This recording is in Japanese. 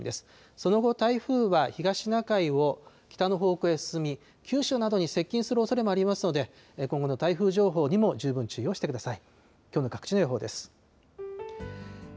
その後、台風は東シナ海を北の方向へ進み、九州などに接近するおそれもありますので、今後の台風情報にも十分注意をしてください。